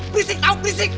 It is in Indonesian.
berisik tau berisik